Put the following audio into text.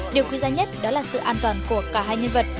điều quý giá nhất đó là sự an toàn của cả hai nhân vật